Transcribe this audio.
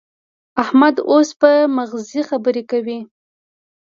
احمد اوس په مغزي خبرې کوي.